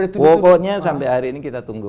pokoknya sampai hari ini kita tunggu